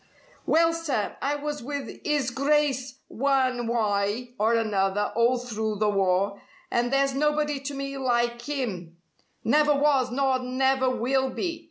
"Well, sir, I was with 'is Grice one wye or another all through the war, and there's nobody to me like 'im never was nor never will be.